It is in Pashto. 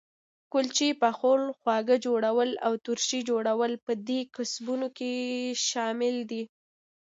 کلچې پخول، خواږه جوړول او ترشي جوړول په دې کسبونو کې شامل دي.